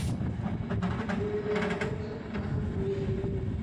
Where The Fuk-A-Wie?